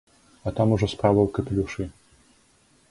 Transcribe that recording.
А там ужо справа ў капелюшы.